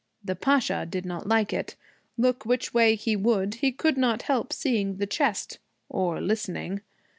The Pasha did not like it. Look which way he would, he could not help seeing the chest or listening.